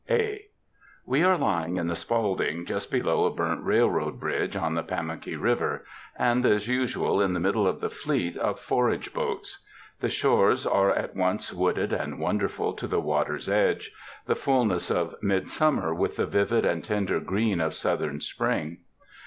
(A.) We are lying in the Spaulding just below a burnt railroad bridge, on the Pamunkey River, and, as usual, in the middle of the fleet of forage boats. The shores are at once wooded and wonderful to the water's edge, the fulness of midsummer with the vivid and tender green of Southern spring.